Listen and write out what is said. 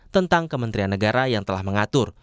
tentang kementerian negara yang telah mengatur